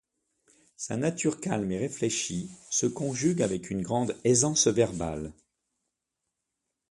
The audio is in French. Sa nature calme et réfléchie se conjugue avec une grande aisance verbale.